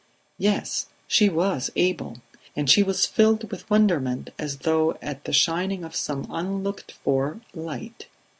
Yes, she was able; and she was filled with wonderment as though at the shining of some unlooked for light.